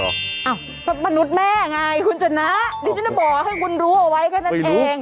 อ้าวก็มนุษย์แม่ไงคุณชนะดิฉันจะบอกให้คุณรู้เอาไว้แค่นั้นเอง